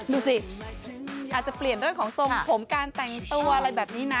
ดูสิอาจจะเปลี่ยนเรื่องของทรงผมการแต่งตัวอะไรแบบนี้นะ